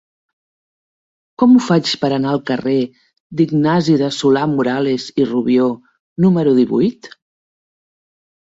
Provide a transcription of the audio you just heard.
Com ho faig per anar al carrer d'Ignasi de Solà-Morales i Rubió número divuit?